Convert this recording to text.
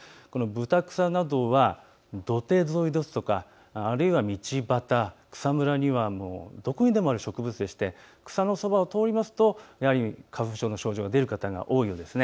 ブタクサなどは土手沿いですとかあるいは道端、草むらにはどこにでもある植物でして草のそばを通りますと花粉症の症状が出る方が多いんです。